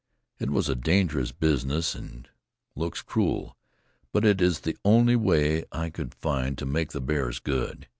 It was a dangerous business, and looks cruel, but it is the only way I could find to make the bears good.